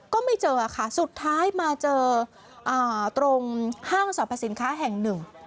ก็ไม่เจอค่ะสุดท้ายมาเจอตรงห้างสรรพสินค้าแห่งหนึ่ง